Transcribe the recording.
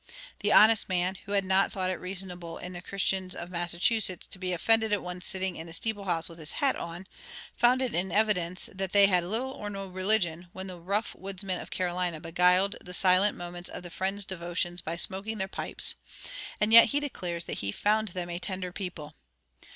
The honest man, who had not thought it reasonable in the Christians of Massachusetts to be offended at one's sitting in the steeple house with his hat on, found it an evidence that "they had little or no religion" when the rough woodsmen of Carolina beguiled the silent moments of the Friends' devotions by smoking their pipes; and yet he declares that he found them "a tender people."